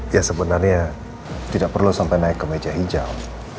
ya sebenarnya tidak perlu sampai naik ke meja hijau